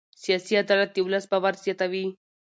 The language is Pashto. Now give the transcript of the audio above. سیاسي عدالت د ولس باور زیاتوي